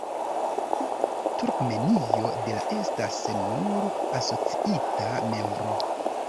Turkmenio de la estas nur asociita membro.